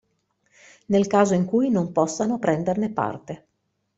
Nel caso in cui non possano prenderne parte.